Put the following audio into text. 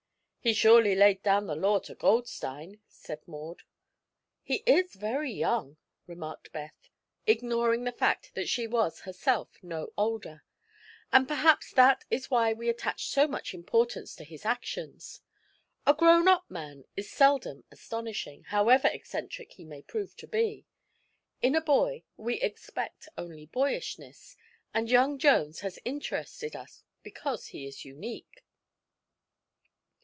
"He surely laid down the law to Goldstein," said Maud. "He is very young," remarked Beth, ignoring the fact that she was herself no older, "and perhaps that is why we attach so much importance to his actions. A grown up man is seldom astonishing, however eccentric he may prove to be. In a boy we expect only boyishness, and young Jones has interested us because he is unique."